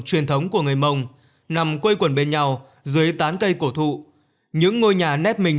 truyền thống của người mông nằm quây quần bên nhau dưới tán cây cổ thụ những ngôi nhà nếp mình